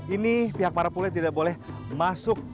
ini pihak marapule tidak boleh masuk